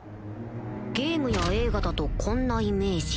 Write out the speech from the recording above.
ゲームや映画だとこんなイメージ